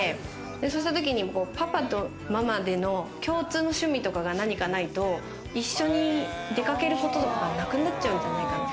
そうしたときに、パパとママとの共通の趣味とかが何かないと、一緒に出かけることがなくなっちゃうじゃないかって。